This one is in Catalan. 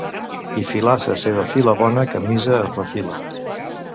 Qui filassa seva fila bona camisa es refila.